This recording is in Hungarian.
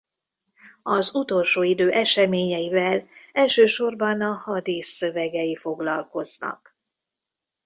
Az utolsó idő eseményeivel elsősorban a hadísz szövegei foglalkoznak.